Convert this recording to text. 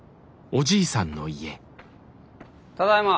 ただいま。